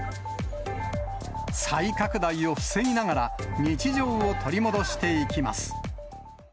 再拡大を防ぎながら、日常を取り戻していきます。